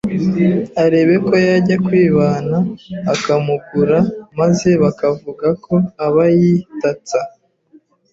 arebe ko yajya kwibana akamugura maze bakavuga ko aba yitatsa,